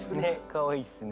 かわいいっすね！